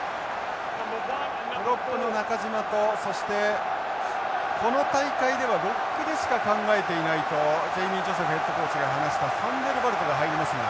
プロップの中島とそしてこの大会ではロックでしか考えていないとジェイミージョセフヘッドコーチが話したファンデルバルトが入りますが。